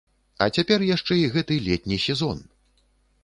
А цяпер яшчэ і гэты летні сезон!